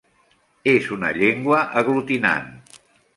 És una llengua aglutinant.